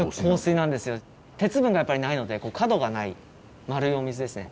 鉄分がやっぱりないので角がないまるいお水ですね。